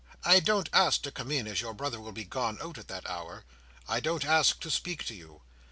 I don't ask to come in, as your brother will be gone out at that hour. I don't ask to speak to you.